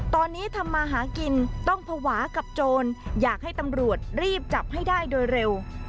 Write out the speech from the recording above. ตอนนี้ทำมาหากินต้องภาวะกับโจรอยากให้ตำรวจรีบจับให้ได้โดยเร็ว